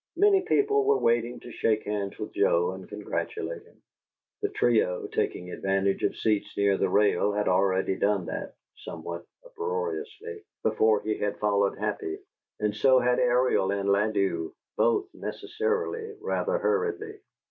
Many people were waiting to shake hands with Joe and congratulate him. The trio, taking advantage of seats near the rail, had already done that (somewhat uproariously) before he had followed Happy, and so had Ariel and Ladew, both, necessarily, rather hurriedly.